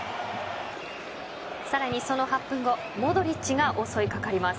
さらにその８分後モドリッチが襲いかかります。